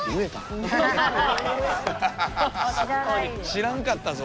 知らんかったぞ